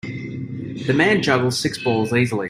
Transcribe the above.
The man juggles six balls easily.